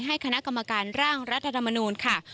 ให้คณะกรรมการร่างรัฐธรรมนูลค่ะ